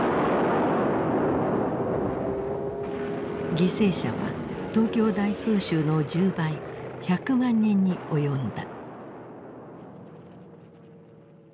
犠牲者は東京大空襲の１０倍１００万人に及んだ。